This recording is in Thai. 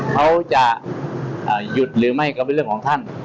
เขาจะหยุดหรือไม่ก็เป็นเรื่องของท่าน